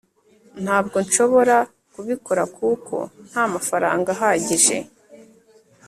ntabwo nshobora kubikora kuko ntamafaranga ahagije